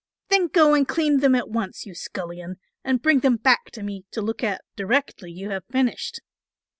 "Then go and clean them at once, you scullion, and bring them back to me to look at directly you have finished."